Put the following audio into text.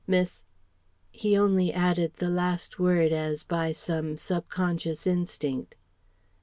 Miss..." He only added the last word as by some sub conscious instinct.